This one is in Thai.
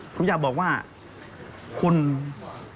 ผมอยากบอกว่าคุณคุณคุณเขา